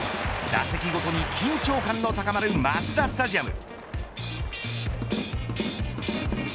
打席ごとに緊張感の高まるマツダスタジアム。